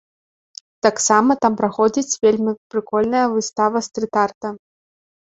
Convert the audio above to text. Таксама там праходзіць вельмі прыкольная выстава стрыт-арта.